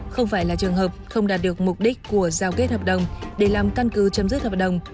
không phải là trường hợp không đạt được mục đích của giao kết hợp đồng để làm căn cứ chấm dứt hợp đồng